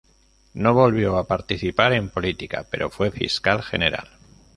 No volvió a participar en política, pero fue fiscal general.